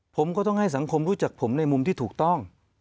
ผมก็ต้องให้สังคมรู้จักผมในมุมที่ถูกต้อง